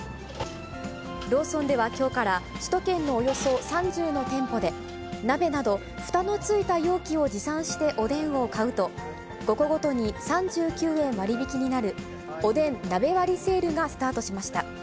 ローソンではきょうから首都圏のおよそ３０の店舗で、鍋などふたの付いた容器を持参しておでんを買うと、５個ごとに３９円割引になるおでん鍋割りセールがスタートしました。